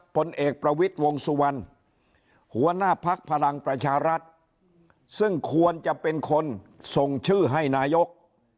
ผลเอกประวิทย์วงสุวรรณหัวหน้าภักดิ์พลังประชารัฐซึ่งควรจะเป็นคนส่งชื่อให้นายก